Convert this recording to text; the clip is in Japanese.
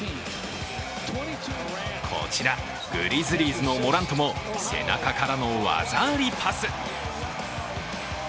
こちらグリズリーズのモラントも背中からの技ありパス。